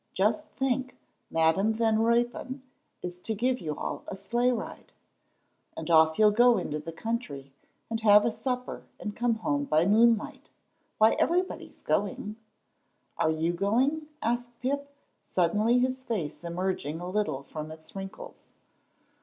Just think, Madam Van Ruypen is to give you all a sleigh ride! And off you'll go into the country and have a supper and come home by moonlight. Why, everybody's going!" "Are you going?" asked Pip, suddenly, his face emerging a little from its wrinkles.